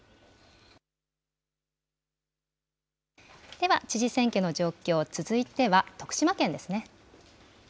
では、知事選挙の状況、続いては徳島県ですね。